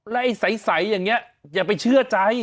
ไอ้ใสอย่างนี้อย่าไปเชื่อใจ